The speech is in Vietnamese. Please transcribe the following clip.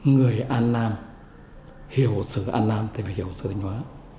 người an nam hiểu sự an nam thì phải hiểu sự thanh hóa